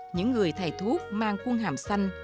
những người thầy thuốc mang khuôn hàm xanh